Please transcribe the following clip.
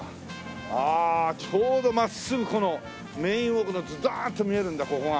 ああちょうど真っすぐこのメインウォークがズドーンと見えるんだここが。